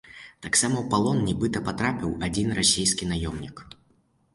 Таксама ў палон нібыта патрапіў адзін расійскі наёмнік.